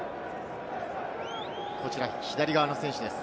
左側の選手です。